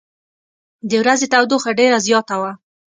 د ورځې تودوخه ډېره زیاته وه.